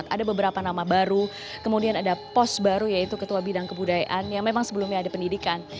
sembilan belas dua ribu dua puluh empat ada beberapa nama baru kemudian ada pos baru yaitu ketua bidang kebudayaan yang memang sebelumnya ada pendidikan